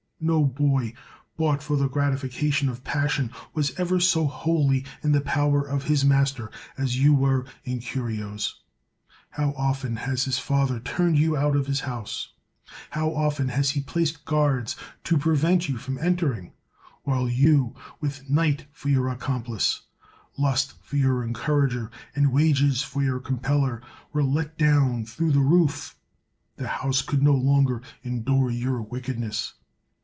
No boy bought for the gratification of passion was ever so wholly in the power of his master as you were in Curio's. How often has his father turned you out of his house t How often has he placed guards to prevent you from entering? while you, with night for your accomplice, lust for your encourager, and wages for your com peller, were let down through the roof. That house could no longer endure your wickedness.